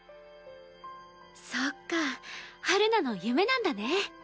そっか陽菜の夢なんだね。